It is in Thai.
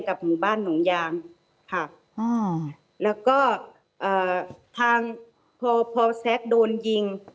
กับหมู่บ้านนองยางค่ะอืมแล้วก็อ่าทางพอพอแซคโดนยิง